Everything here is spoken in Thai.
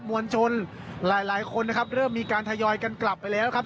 มวลชนหลายหลายคนนะครับเริ่มมีการทยอยกันกลับไปแล้วครับ